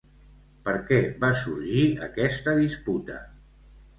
Per què va sorgir aquesta disputa?